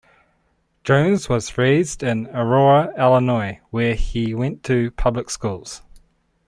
Jones was raised in Aurora, Illinois, where he went to public schools.